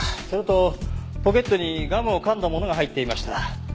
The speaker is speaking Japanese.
それとポケットにガムを噛んだものが入っていました。